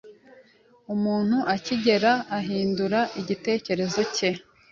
Umuntu utigera ahindura igitekerezo cye